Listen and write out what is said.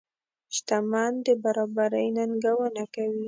شتمن د برابرۍ ننګونه کوي.